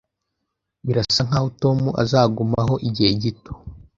Birasa nkaho Tom azagumaho igihe gito